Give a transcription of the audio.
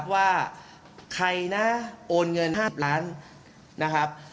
ว่าใครโอนเงิน๕๐ล้าน